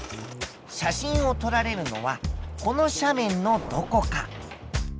写真を撮られるのはこの斜面のどこか。